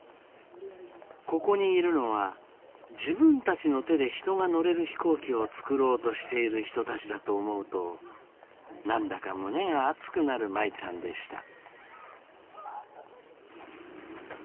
ここにいるのは自分たちの手で人が乗れる飛行機を作ろうとしている人たちだと思うと何だか胸が熱くなる舞ちゃんでした。